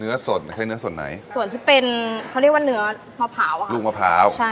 สดใช้เนื้อส่วนไหนส่วนที่เป็นเขาเรียกว่าเนื้อมะพร้าวอ่ะลูกมะพร้าวใช่